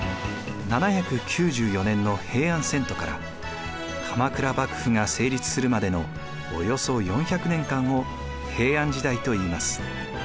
７９４年の平安遷都から鎌倉幕府が成立するまでのおよそ４００年間を平安時代といいます。